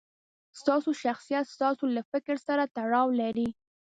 ستاسو شخصیت ستاسو له فکر سره تړاو لري.